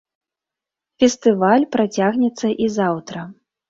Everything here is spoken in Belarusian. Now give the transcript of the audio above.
Фестываль працягнецца і заўтра.